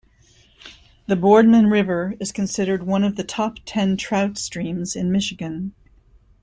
The Boardman River is considered one of the top ten trout streams in Michigan.